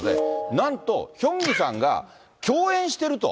なんと、ヒョンギさんが共演してると。